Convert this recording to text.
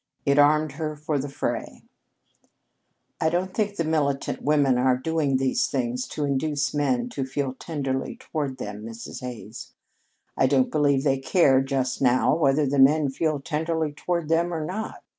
It armed her for the fray. "I don't think the militant women are doing these things to induce men to feel tenderly toward them, Mrs. Hays. I don't believe they care just now whether the men feel tenderly toward them or not.